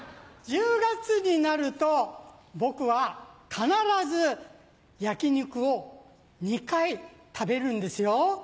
１０月になると僕は必ず焼き肉を２回食べるんですよ。